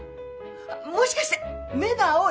もしかして目が青い？